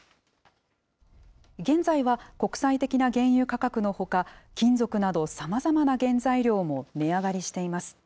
現在は国際的な原油価格のほか、金属など、さまざまな原材料も値上がりしています。